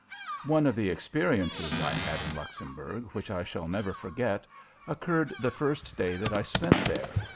One of the experiences I had in Luxembourg which I shall never forget occurred the first day that I spent there.